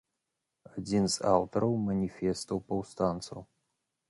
Адзін з аўтараў маніфестаў паўстанцаў.